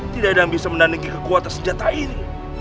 tidak ada yang bisa menandingi kekuatan senjata ini